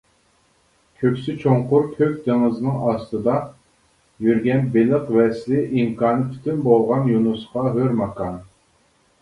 كۆكسى چوڭقۇر كۆك دېڭىزنىڭ ئاستىدا يۈرگەن بېلىق ۋەسلى ئىمكانى پۈتۈپ بولغان يۇنۇسقا ھۆر ماكان.